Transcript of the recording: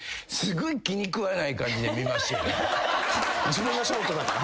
自分がショートだから？